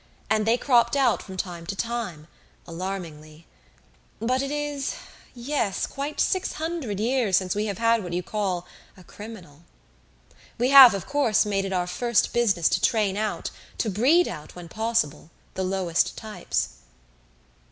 And they cropped out from time to time alarmingly. But it is yes, quite six hundred years since we have had what you call a 'criminal.' "We have, of course, made it our first business to train out, to breed out, when possible, the lowest types."